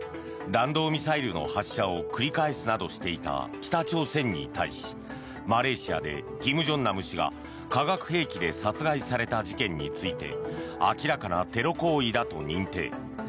弾道ミサイルの発射を繰り返すなどしていた北朝鮮に対しマレーシアで金正男氏が化学兵器で殺害された事件について明らかなテロ行為だと認定。